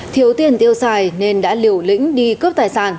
thiếu tiền tiêu xài nên đã liều lĩnh đi cướp tài sản